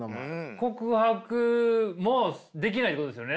告白もできないってことですよね。